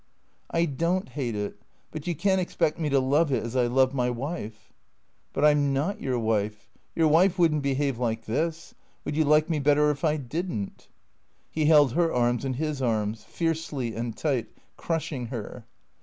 " I don't hate it. But you can't expect me to love it as I love my wife." " But I 'm not your wife. Your wife would n't behave like this. Would you like me better if I did n't ?" He held her arms in his arms, fiercely and tight, crushing her.